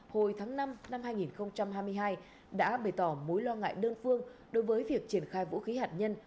hồi tháng năm năm hai nghìn hai mươi hai đã bày tỏ mối lo ngại đơn phương đối với việc triển khai vũ khí hạt nhân